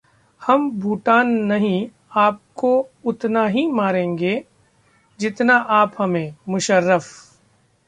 हम भूटान नहीं, आपको उतना ही मारेंगे, जितना आप हमें: मुशर्रफ